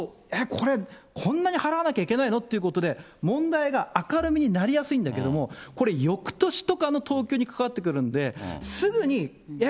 これ、こんなに払わなきゃいけないのということで、問題が明るみになりやすいんだけども、これ、よくとしとかの等級に関わってくるので、すぐに、えっ？